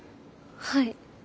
はい。